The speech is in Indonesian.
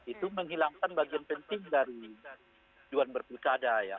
itu menghilangkan bagian penting dari tujuan berpikada ya